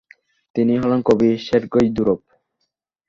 তিনি হলেন কবি সের্গেই দুরভ।